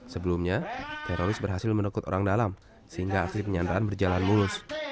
sebelumnya teroris berhasil menekut orang dalam sehingga aksi penyanderaan berjalan mulus